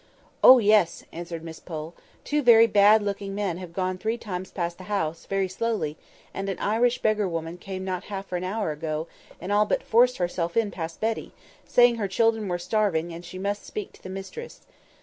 "Oh, yes!" answered Miss Pole. "Two very bad looking men have gone three times past the house, very slowly; and an Irish beggar woman came not half an hour ago, and all but forced herself in past Betty, saying her children were starving, and she must speak to the mistress.